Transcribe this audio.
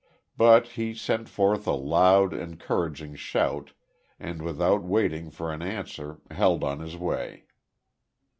But he sent forth a loud, encouraging shout, and without waiting for an answer, held on his way.